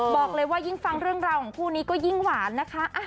บอกเลยว่ายิ่งฟังเรื่องราวของคู่นี้ก็ยิ่งหวานนะคะ